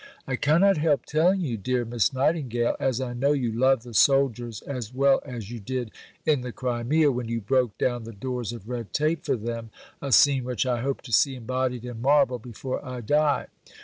"I cannot help telling you, dear Miss Nightingale, as I know you love the soldiers as well as you did in the Crimea when you broke down the doors of red tape for them, a scene which I hope to see embodied in marble before I die."